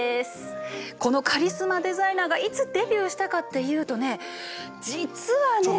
このカリスマデザイナーがいつデビューしたかっていうとね実はね。